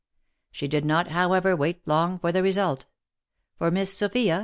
She did not, however, wait long for the result; for Miss Sophia